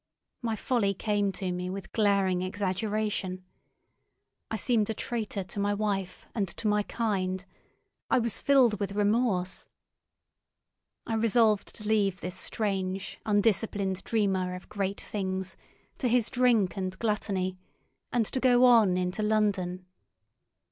My folly came to me with glaring exaggeration. I seemed a traitor to my wife and to my kind; I was filled with remorse. I resolved to leave this strange undisciplined dreamer of great things to his drink and gluttony, and to go on into London.